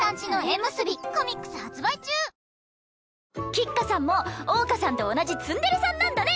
橘花さんも桜花さんと同じツンデレさんなんだね。